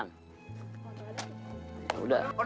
nggak ada yang ketinggalan